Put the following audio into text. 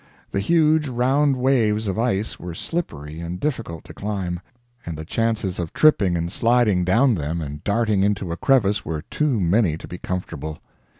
The huge round waves of ice were slippery and difficult to climb, and the chances of tripping and sliding down them and darting into a crevice were too many to be comfortable.